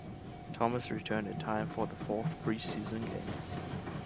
Thomas returned in time for the fourth preseason game.